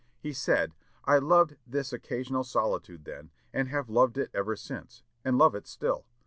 He said, "I loved this occasional solitude then, and have loved it ever since, and love it still.